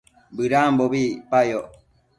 bëdambobi icpayoc